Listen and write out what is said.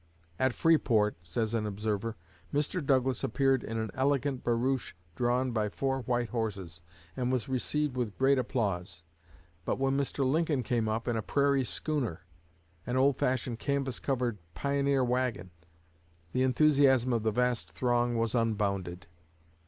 "At Freeport," says an observer, "Mr. Douglas appeared in an elegant barouche drawn by four white horses, and was received with great applause. But when Mr. Lincoln came up, in a 'prairie schooner,' an old fashioned canvas covered pioneer wagon, the enthusiasm of the vast throng was unbounded."